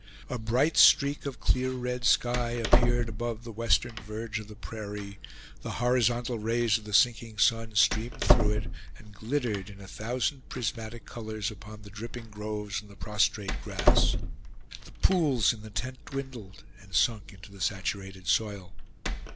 A bright streak of clear red sky appeared above the western verge of the prairie, the horizontal rays of the sinking sun streamed through it and glittered in a thousand prismatic colors upon the dripping groves and the prostrate grass. The pools in the tent dwindled and sunk into the saturated soil.